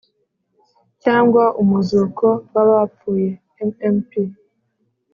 cyangwa “umuzuko w’abapfuye” (mmp).